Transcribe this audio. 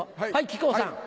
木久扇さん。